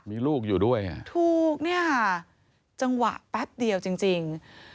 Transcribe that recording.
มีลูกอยู่ด้วยถูกเนี่ยจังหวะแป๊บเดียวจริง